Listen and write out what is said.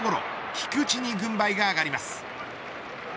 菊池に軍配が上がります。